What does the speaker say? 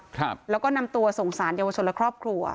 ครับแล้วก็นำตัวส่งสารเยาวชนและครอบครัว